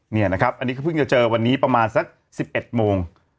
นี่นะครับอันนี้ก็เพิ่งจะเจอวันนี้ประมาณสัก๑๑โมง